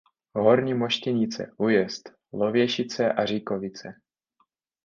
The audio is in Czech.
Horní Moštěnice, Újezd, Lověšice, a Říkovice.